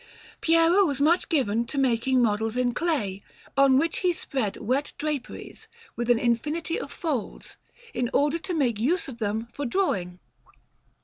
Piero was much given to making models in clay, on which he spread wet draperies with an infinity of folds, in order to make use of them for drawing.